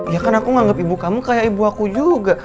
ya kan aku menganggap ibu kamu kayak ibu aku juga